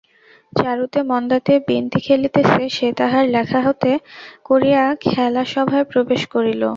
চারুতে মন্দাতে বিন্তি খেলিতেছে, সে তাহার লেখা হাতে করিয়া খেলাসভায় প্রবেশ করিল।